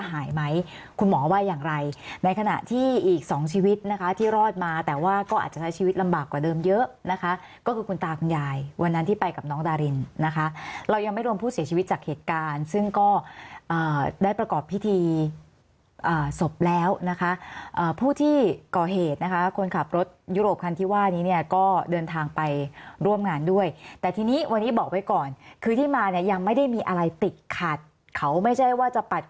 ถามว่าอย่างไรในขณะที่อีก๒ชีวิตนะคะที่รอดมาแต่ว่าก็อาจจะใช้ชีวิตลำบากกว่าเดิมเยอะนะคะก็คือคุณตาคุณยายวันนั้นที่ไปกับน้องดารินนะคะเรายังไม่รวมผู้เสียชีวิตจากเหตุการณ์ซึ่งก็ได้ประกอบพิธีศพแล้วนะคะผู้ที่ก่อเหตุนะคะคนขับรถยุโรปคันที่ว่านี้เนี่ยก็เดินทางไปร่วมงานด้วยแต่ทีนี้วันนี้บอกไว้ก่